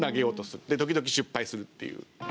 で時々失敗するっていう。